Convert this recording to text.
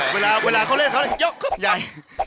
เวลาเวลาเขาเล่นเขาเลย